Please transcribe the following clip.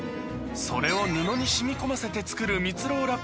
それを布に染み込ませて作るみつろう